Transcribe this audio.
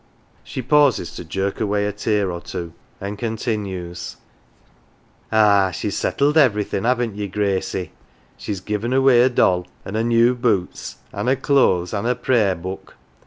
She pauses to jerk away a tear or two, and continues: 220 HERE AND THERK " Ah, she's settled everything haven't ye, Grade ? She's give away her doll, an" 1 her new boots, an 1 her clothes, an 1 her Prayer book.